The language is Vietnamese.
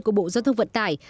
của bộ giao thông vận tải